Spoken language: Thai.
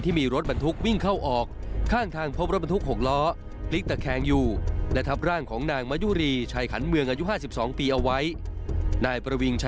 ที่มีรถบนทุกข์วิ่งเข้าออกข้างทางพบรถบนทุกข์ห่วงละ